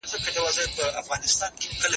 خصوصي سکتور بايد پياوړی سي.